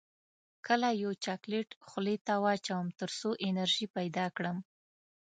کله یو چاکلیټ خولې ته واچوم تر څو انرژي پیدا کړم